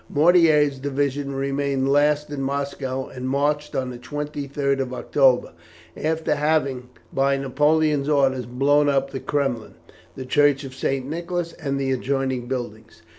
Mortier's division remained last in Moscow, and marched on the 23rd of October, after having, by Napoleon's orders, blown up the Kremlin, the Church of St. Nicholas, and the adjoining buildings.